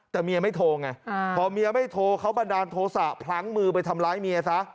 แต่เมียไม่โทรไงพอเมียไม่โทรเขาบันดาลโทษะพลั้งมือไปทำร้ายเมียซะ